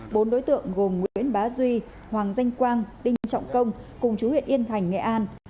bốn đối tượng gồm nguyễn bá duy hoàng danh quang đinh trọng công cùng chú huyện yên thành nghệ an